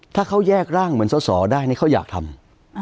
ถ้าเขาแยกร่างเหมือนสอสอได้นี่เขาอยากทำ